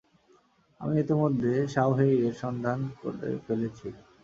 আমি ইতোমধ্যে শাওহেইয়ের সন্ধান করে ফেলেছি।